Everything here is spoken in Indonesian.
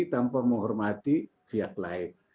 tanpa menghormati pihak lain